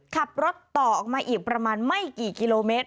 ขับรถต่อออกมาอีกประมาณไม่กี่กิโลเมตร